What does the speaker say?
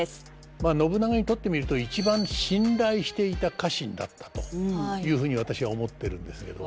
まあ信長にとってみると一番信頼していた家臣だったというふうに私は思ってるんですけど。